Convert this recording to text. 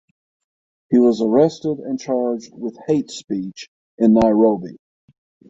He was arrested and charged with hate speech in Nairobi.